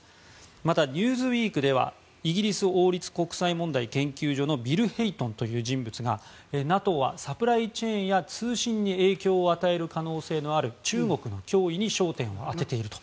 また「ニューズウィーク」ではイギリス王立国際問題研究所のビル・ヘイトンという人物がＮＡＴＯはサプライチェーンや通信に影響を与える可能性のある中国の脅威に焦点を当てていると。